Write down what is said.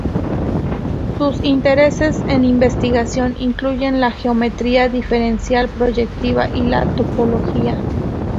Sus intereses en investigación incluyen la geometría diferencial proyectiva y la topología.